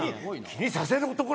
気にさせる男？